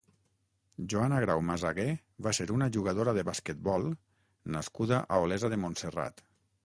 Joana Grau Masagué va ser una jugadora de basquetbol nascuda a Olesa de Montserrat.